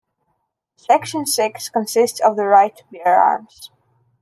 Section six consists of the right to bear arms.